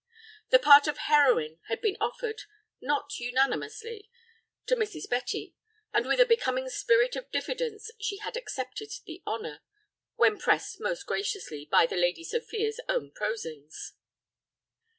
The part of heroine had been offered, not unanimously, to Mrs. Betty. And with a becoming spirit of diffidence she had accepted the honor, when pressed most graciously by the Lady Sophia's own prosings.